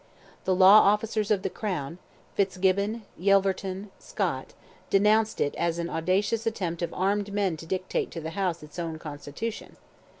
The law officers of the crown, Fitzgibbon, Yelverton, Scott, denounced it as an audacious attempt of armed men to dictate to the House its own constitution.